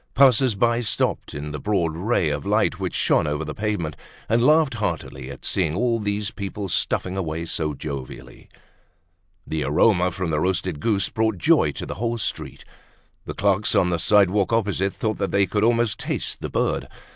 Passers by stopped in the broad ray of light which shone over the pavement, and laughed heartily at seeing all these people stuffing away so jovially. The aroma from the roasted goose brought joy to the whole street. The clerks on the sidewalk opposite thought they could almost taste the bird.